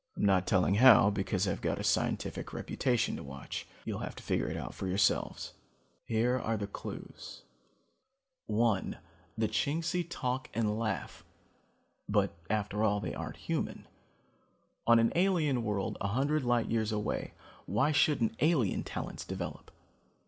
I'm not telling how because I've got a scientific reputation to watch. You'll have to figure it out for yourselves. Here are the clues: (1) The Chingsi talk and laugh but after all they aren't human. On an alien world a hundred light years away, why shouldn't alien talents develop?